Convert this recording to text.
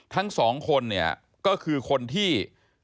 ทั้งสองคนเนี่ยก็คือคนที่